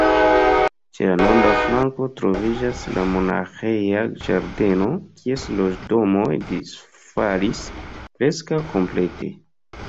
Ĉe la norda flanko troviĝas la monaĥeja ĝardeno, kies loĝdomoj disfalis preskaŭ komplete.